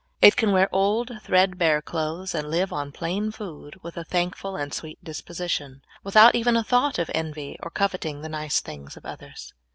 It can wear old. thread bare clothes, and live on plain food, with a thank ful and sweet disposition, Avithout even a thought of envy, or coveting the nice things of others.